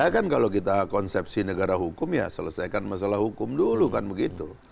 ya kan kalau kita konsepsi negara hukum ya selesaikan masalah hukum dulu kan begitu